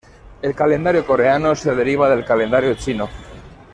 El calendario coreano se deriva del calendario chino.